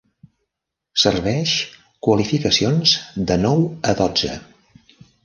Serveix qualificacions de nou a dotze.